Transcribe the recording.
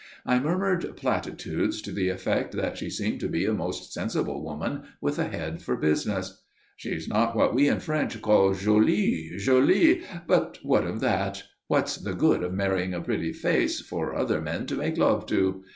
I murmured platitudes to the effect that she seemed to be a most sensible woman, with a head for business. "She's not what we in French call jolie, jolie; but what of that? What's the good of marrying a pretty face for other men to make love to?